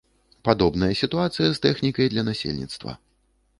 Падобная сітуацыя з тэхнікай для насельніцтва.